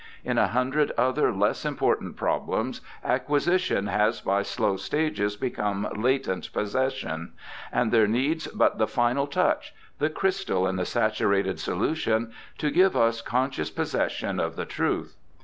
In a hundred other less important problems, acquisition has by slow stages become latent possession ; and there needs but the final touch — the crystal in the saturated solution — to give us conscious possession of the truth.